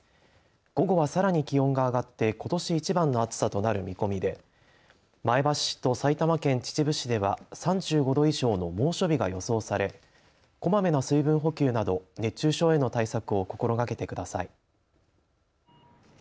午後はさらに気温が上がってことし一番の暑さとなる見込みで前橋市と埼玉県秩父市では３５度以上の猛暑日が予想されこまめな水分補給など熱中症への対策を心がけてください。